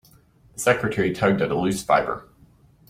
The secretary tugged at a loose fibre.